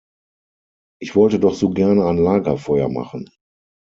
Ich wollte doch so gerne ein Lagerfeuer machen.